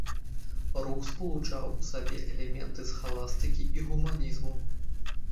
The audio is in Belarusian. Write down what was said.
Рух спалучаў у сабе элементы схаластыкі і гуманізму.